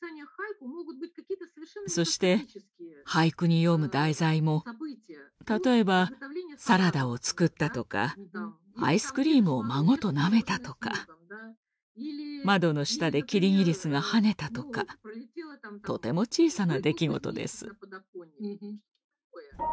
そして俳句に詠む題材も例えばサラダを作ったとかアイスクリームを孫となめたとか窓の下でキリギリスが跳ねたとかとても小さな出来事です。